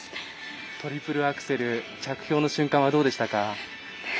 トリプルアクセル着氷の瞬間はどうでしたか？